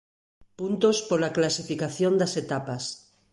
Puntos pola clasificación das etapas